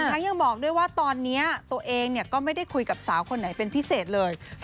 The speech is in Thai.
ยังบอกด้วยว่าตอนนี้ตัวเองก็ไม่ได้คุยกับสาวคนไหนเป็นพิเศษเลย